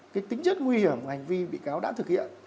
cái tính chất nguy hiểm hành vi bị cáo đã thực hiện